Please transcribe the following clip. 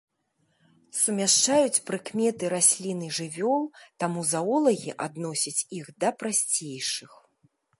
Сумяшчаюць прыкметы раслін і жывёл, таму заолагі адносяць іх да прасцейшых.